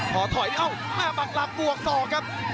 พอถอยอ้าวแม่ปักรับบวกสองครับ